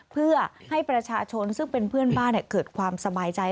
เพื่อให้ประชาชนซึ่งเป็นเพื่อนบ้านเกิดความสบายใจ